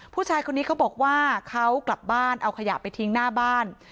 ผู้ชายคนนี้เขาบอกว่าเขากลับบ้านเอาขยะไปทิ้งหน้าบ้าน